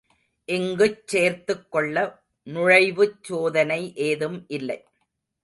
இங்குச் சேர்த்துக்கொள்ள, நுழைவுச் சோதனை ஏதும் இல்லை.